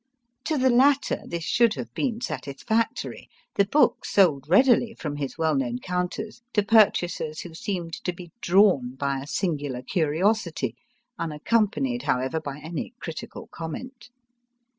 To the latter this should have been satisfactory ; the book sold readily from his well known counters to purchasers who seemed to be drawn by a singular curiosity, unaccompanied, however, by any critical comment.